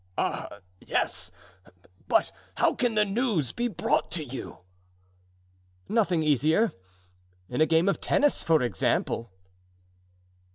"Ah, yes! but how can the news be brought to you?" "Nothing easier; in a game of tennis, for example."